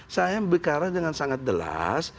saya bicara dengan sangat jelas